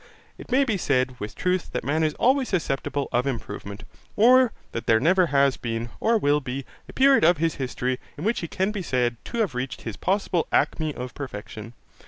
It may be said with truth that man is always susceptible of improvement, or that there never has been, or will be, a period of his history, in which he can be said to have reached his possible acme of perfection.